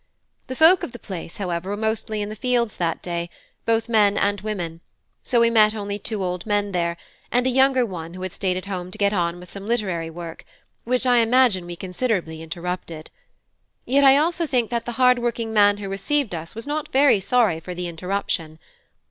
The folk of the place, however, were mostly in the fields that day, both men and women; so we met only two old men there, and a younger one who had stayed at home to get on with some literary work, which I imagine we considerably interrupted. Yet I also think that the hard working man who received us was not very sorry for the interruption.